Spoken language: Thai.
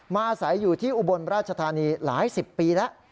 อาศัยอยู่ที่อุบลราชธานีหลายสิบปีแล้ว